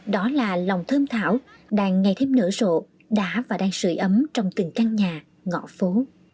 và lòng thơm thảo đang ngay thêm nửa sổ đã và đang sử ấm trong từng căn nhà ngõ phố